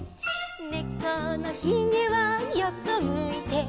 「ねこのひげは横むいて」